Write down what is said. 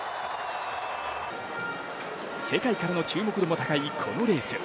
世界からの注目度も高いこのレース。